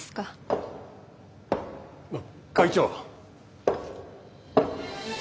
あっ会長。